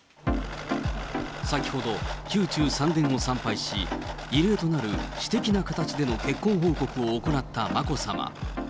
先ほど、宮中三殿を参拝し、異例となる私的な形での結婚報告を行った眞子さま。